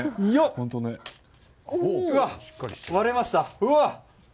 割れました。